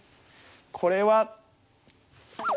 これは。